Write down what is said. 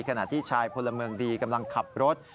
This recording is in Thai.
ขณะที่ชายพลเมืองดีกำลังขับรถ